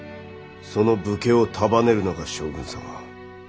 その武家を束ねるのが将軍様。